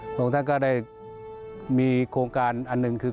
พระองค์ท่านก็ได้มีโครงการอันหนึ่งคือ